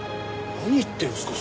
何言ってるんですか。